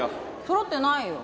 そろってないよ。